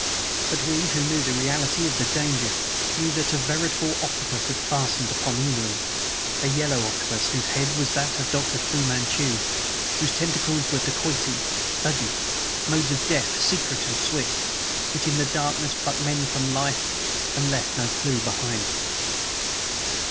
but we who knew the reality of the danger knew that a veritable octopus had fastened upon England a yellow octopus whose head was that of Dr. Fu Manchu, whose tentacles were dacoity, thuggee, modes of death, secret and swift, which in the darkness plucked men from life and left no clew behind.